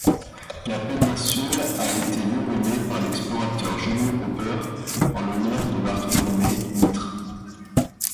La péninsule a été lenommée par l'explorateur Julio Popper en l'honneur de Bartolomé Mitre.